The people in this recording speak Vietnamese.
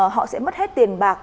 họ sẽ mất hết tiền bạc